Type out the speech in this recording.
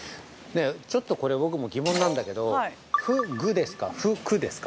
◆ちょっとこれ僕も疑問なんだけど「ふぐ」ですか、「ふく」ですか。